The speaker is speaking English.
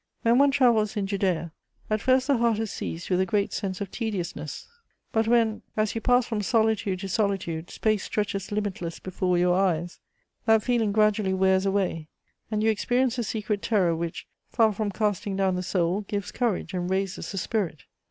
"When one travels in Judæa, at first the heart is seized with a great sense of tediousness; but when, as you pass from solitude to solitude, space stretches limitless before your eyes, that feeling gradually wears away, and you experience a secret terror which, far from casting down the soul, gives courage and raises the spirit.